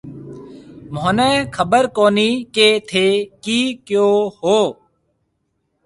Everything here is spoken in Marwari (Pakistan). مهونَي خبر ڪهوني ڪيَ ٿَي ڪِي ڪهيو هون۔